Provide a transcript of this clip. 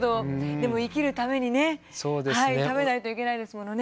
でも生きるためにね食べないといけないですものね。